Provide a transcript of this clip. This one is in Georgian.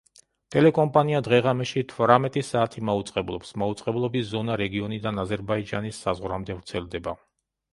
ტელეკომპანია დღე-ღამეში თვრამეტი საათი მაუწყებლობს, მაუწყებლობის ზონა რეგიონიდან აზერბაიჯანის საზღვრამდე ვრცელდება.